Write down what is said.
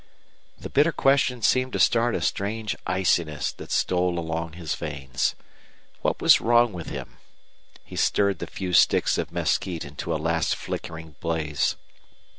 The bitter question seemed to start a strange iciness that stole along his veins. What was wrong with him? He stirred the few sticks of mesquite into a last flickering blaze.